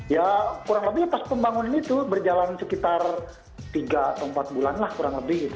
ya kurang lebih pas pembangunan itu berjalan sekitar tiga atau empat bulan lah kurang lebih gitu